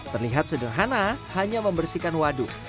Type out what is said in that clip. terlihat sederhana hanya membersihkan waduk